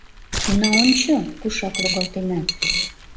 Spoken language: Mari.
— Уна, ончо, кушак логалтенат...